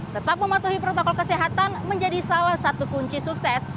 tetap mematuhi protokol kesehatan menjadi salah satu kunci sukses